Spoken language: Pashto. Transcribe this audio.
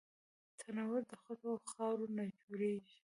تنور د خټو او خاورو نه جوړېږي